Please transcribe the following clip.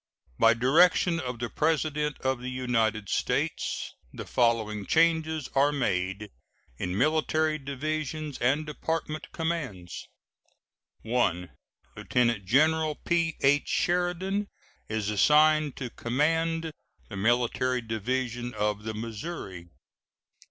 By direction of the President of the United States, the following changes are made in military divisions and department commands: I. Lieutenant General P.H. Sheridan is assigned to command the Military Division of the Missouri.